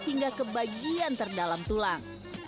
hingga ke bagian terdalam tulang